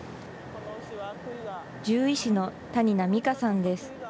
獣医師の谷名美加さんです。